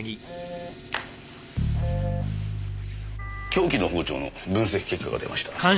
凶器の包丁の分析結果が出ました。